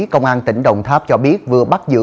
công an tỉnh đồng tháp cho biết vừa bắt giữ